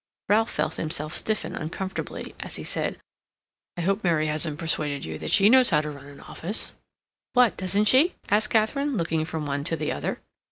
Ralph felt himself stiffen uncomfortably, as he said: "I hope Mary hasn't persuaded you that she knows how to run an office?" "What, doesn't she?" said Katharine, looking from one to the other.